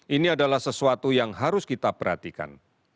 ini adalah sesuatu yang harus kita perhatikan